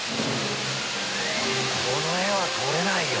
この画は撮れないよ。